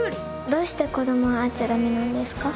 どうして子供は会っちゃだめなんですか？